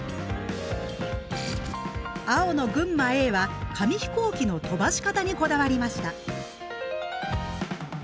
青の群馬Ａは紙飛行機の飛ばし方にこだわりました。